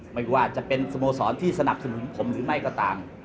ไม่ว่าจะเป็นสโมสรที่สนับสนุนผมหรือไม่ก็ตาม